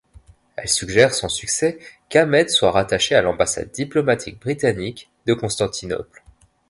Elle suggère sans succès qu'Ahmed soit rattaché à l'ambassade diplomatique britannique de Constantinople.